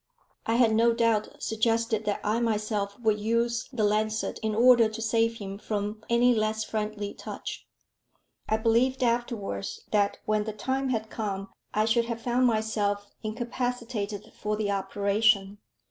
I had no doubt suggested that I myself would use the lancet in order to save him from any less friendly touch. I believed afterwards, that when the time had come I should have found myself incapacitated for the operation.